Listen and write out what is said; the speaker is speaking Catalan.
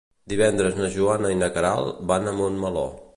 Divendres na Joana i na Queralt van a Montmeló.